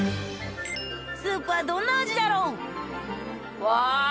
スープはどんな味だろう？うわ！